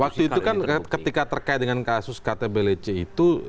waktu itu kan ketika terkait dengan kasus ktblc itu